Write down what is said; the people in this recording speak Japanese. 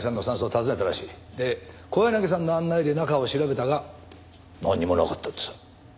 で小柳さんの案内で中を調べたが何もなかったってさ。